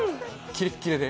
キレッキレで。